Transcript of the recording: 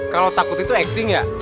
kalau takut itu acting nggak